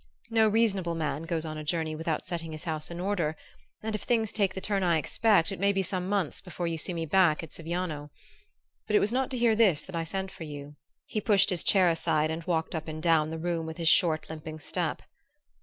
"No reasonable man goes on a journey without setting his house in order; and if things take the turn I expect it may be some months before you see me back at Siviano. But it was not to hear this that I sent for you." He pushed his chair aside and walked up and down the room with his short limping step.